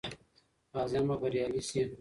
غازیان به بریالي سي.